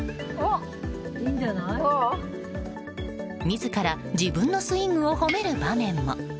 自ら、自分のスイングを褒める場面も。